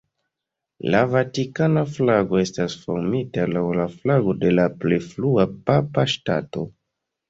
La vatikana flago estas formita laŭ la flago de la pli frua Papa Ŝtato.